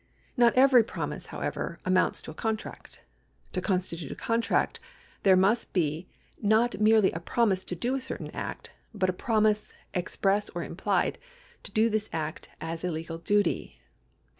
Not every promise, however, amounts to a contract. To constitute a contract there must be not merely a promise to do a certain act, but a promise, express or implied, to do this act as a legal duty.